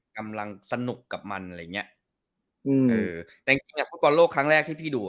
กำลังสนุกกับมันอะไรอย่างเงี้ยแต่งนี้ฟุตบอลโลกครั้งแรกที่พี่ดู